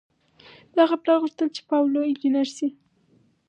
د هغه پلار غوښتل چې پاولو انجنیر شي.